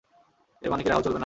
এর মানে কি রাহুল চলবে না।